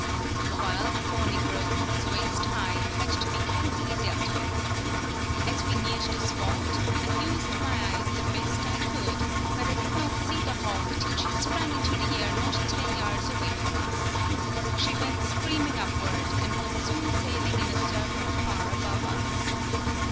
The wild, thorny growths, waist high, had to be carefully dealt with. As we neared the spot, I used my eyes the best I could, but I did not see the hawk till she sprang into the air not ten yards away from us. She went screaming upward, and was soon sailing in a circle far above us.